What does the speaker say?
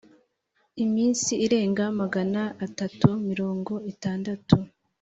iminsi irenga magana atatu mirongo itandatu